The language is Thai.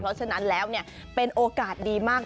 เพราะฉะนั้นแล้วเป็นโอกาสดีมาก